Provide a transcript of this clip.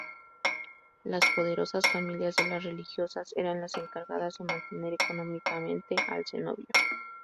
Las poderosas familias de las religiosas eran las encargadas de mantener económicamente al cenobio.